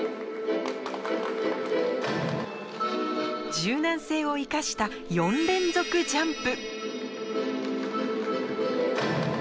柔軟性を生かした４連続ジャンプ。